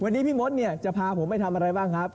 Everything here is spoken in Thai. วันนี้พี่มดเนี่ยจะพาผมไปทำอะไรบ้างครับ